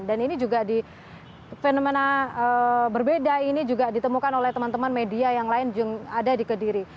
dan ini juga di fenomena berbeda ini juga ditemukan oleh teman teman media yang lain yang ada di kediri